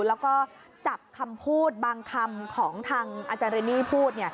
แล้วก็จับคำพูดบางคำของทางอาจารย์เรนนี่พูด